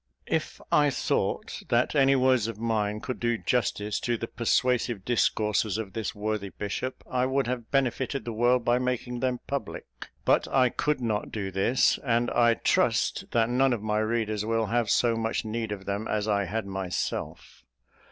If I thought that any words of mine could do justice to the persuasive discourses of this worthy bishop, I would have benefited the world by making them public; but I could not do this; and I trust that none of my readers will have so much need of them as I had myself.